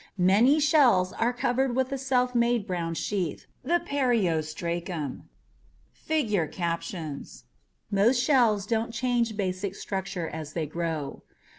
Many shells are covered with a self made brown sheath, the PERIOSTRACUM. [figure captions] Most shells don't change basic structure as they grow.